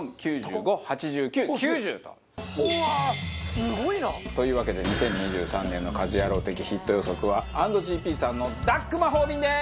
すごいな！というわけで２０２３年の家事ヤロウ的ヒット予測は『＆ＧＰ』さんのＤＵＫＫ魔法瓶です！